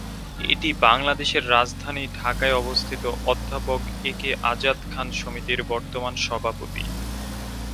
এটি বাংলাদেশের রাজধানী ঢাকায় অবস্থিত অধ্যাপক একে আজাদ খান সমিতির বর্তমান সভাপতি।